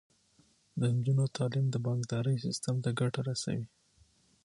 د نجونو تعلیم د بانکدارۍ سیستم ته ګټه رسوي.